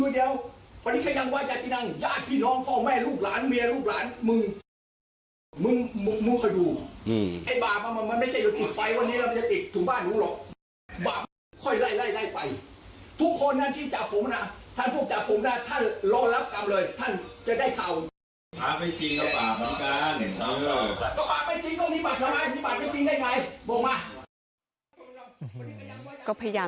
อย่าอย่าอย่าอย่าอย่าอย่าอย่าอย่าอย่าอย่าอย่าอย่าอย่าอย่าอย่าอย่าอย่า